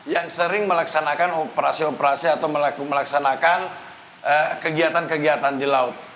yang sering melaksanakan operasi operasi atau melaksanakan kegiatan kegiatan di laut